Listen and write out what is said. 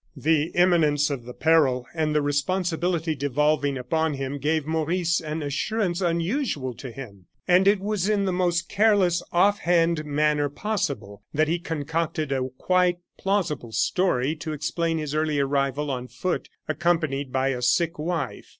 The imminence of the peril and the responsibility devolving upon him, gave Maurice an assurance unusual to him; and it was in the most careless, off hand manner possible that he concocted a quite plausible story to explain his early arrival on foot accompanied by a sick wife.